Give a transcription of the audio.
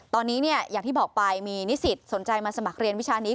ตอนนี้อย่างที่บอกไปมีนิสิตสนใจมาสมัครเรียนวิชานี้